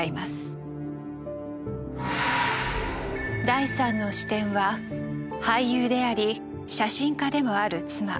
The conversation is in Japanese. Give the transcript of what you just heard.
第３の視点は俳優であり写真家でもある妻